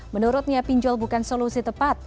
menurutnya pinjol bukan solusi tepat